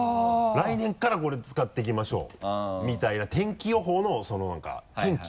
来年からこれ使っていきましょうみたいな天気予報のなんか天気。